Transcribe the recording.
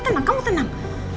tuh kamu tenang